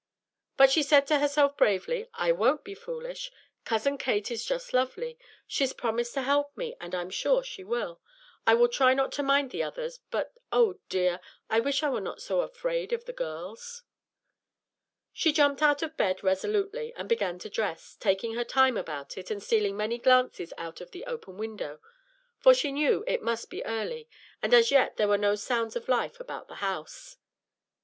But she said to herself bravely: "I won't be foolish. Cousin Kate is just lovely; she's promised to help me, and I'm sure she will. I will try not to mind the others; but, oh dear! I wish I were not so afraid of the girls." She jumped out of bed resolutely and began to dress, taking her time about it, and stealing many glances out of the open window; for she knew it must be early, and as yet there were no sounds of life about the house.